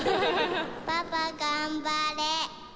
パパ頑張れ。